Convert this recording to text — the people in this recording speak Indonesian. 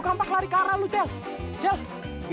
jangan jangan tukang pak mau ngebakar pantat kita lagi